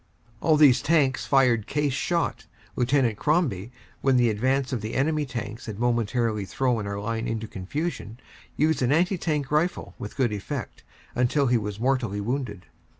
All these tanks fired case shot. Lieut. Crombie, when the advance of the enemy tanks had momentarily thrown our line into confusion, used an anti tank rifle with good effect, until he was mortally wounded.